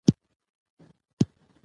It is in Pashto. رسوب د افغانستان د کلتوري میراث برخه ده.